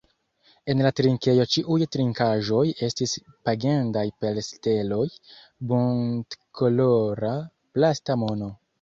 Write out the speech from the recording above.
En la trinkejo ĉiuj trinkaĵoj estis pagendaj per steloj, buntkolora plasta mono.